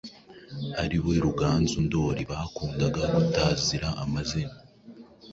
ariwe Ruganzu Ndoli , bakundaga gutazira amazina